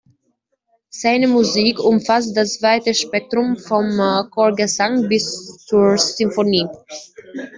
Seine Musik umfasst das weite Spektrum vom Chorgesang bis zur Sinfonie.